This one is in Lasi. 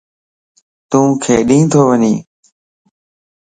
تُون کيڏي تو وڃي؟